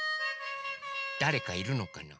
だれかいるのかな？